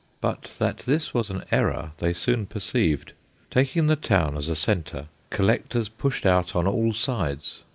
But that this was an error they soon perceived. Taking the town as a centre, collectors pushed out on all sides.